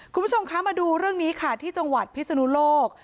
คุณผู้ชมคะมาดูเรื่องนี้ค่ะที่จังหวัดพิศนุโลก